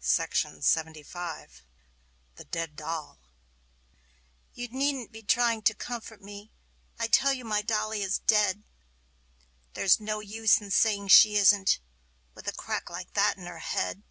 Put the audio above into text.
ANONYMOUS THE DEAD DOLL You needn't be trying to comfort me I tell you my dolly is dead! There's no use in saying she isn't, with a crack like that in her head.